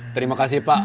terima kasih pak